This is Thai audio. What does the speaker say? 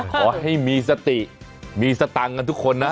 ขอให้มีสติมีสตังค์กันทุกคนนะ